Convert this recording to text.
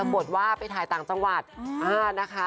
บทว่าไปถ่ายต่างจังหวัดนะคะ